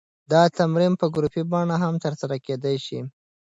دا تمرین په ګروپي بڼه هم ترسره کېدی شي.